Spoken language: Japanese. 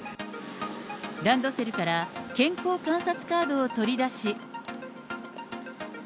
ランドセルから健康観察カードを取り出し。